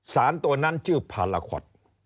สารตัวนั้นชื่อพาราคอต